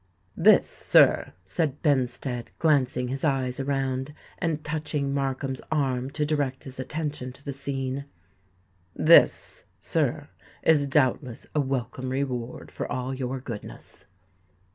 "This, sir," said Benstead, glancing his eyes around, and touching Markham's arm to direct his attention to the scene,—"this, sir, is doubtless a welcome reward for all your goodness."